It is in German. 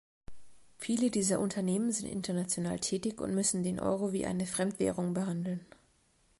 Viele dieser Unternehmen sind international tätig und müssen den Euro wie eine Fremdwährung behandeln.